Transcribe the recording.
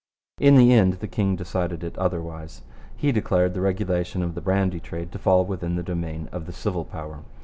In the end the king decided it otherwise. He declared the regulation of the brandy trade to fall within the domain of the civil power.